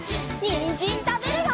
にんじんたべるよ！